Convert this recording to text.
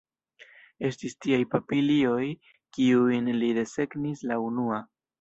Estis tiaj papilioj, kiujn li desegnis la unua.